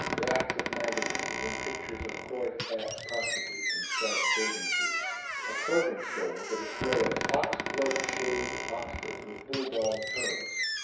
Racks of magazines, and pictures of coy fat prostitutes in striped bathing suits. A clothing store with a display of "ox blood shade Oxfords with bull dog toes."